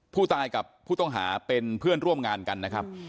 ผู้ตายกับผู้ต้องหาเป็นเพื่อนร่วมงานกันนะครับ